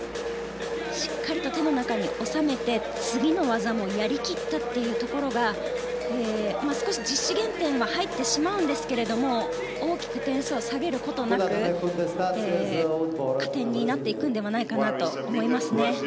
しっかりと手の中に収めて次の技もやり切ったというところが少し実施減点は入ってしまうんですけれど大きく点数を下げることなく加点になっていくのではないかと思いますね。